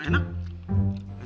yang mengalami kuliah muda